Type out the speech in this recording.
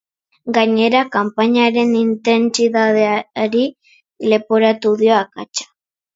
Gainera, kanpainaren intentsitateari leporatu dio akatsa.